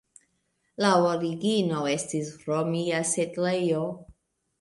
La origino estis romia setlejo.